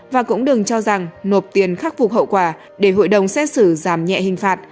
và cũng đừng cho rằng nộp tiền khắc phục hậu quả để hội đồng xét xử giảm nhẹ hình phạt